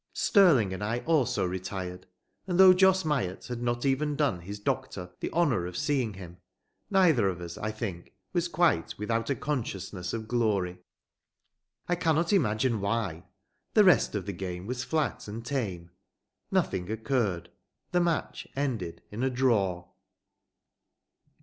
Stirling and I also retired; and though Jos Myatt had not even done his doctor the honour of seeing him, neither of us, I think, was quite without a consciousness of glory: I cannot imagine why. The rest of the game was flat and tame. Nothing occurred. The match ended in a draw.